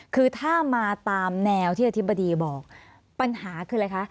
คือถ้ามาตามแนวที่อธิบดีบอกปัญหาคืออะไรคะ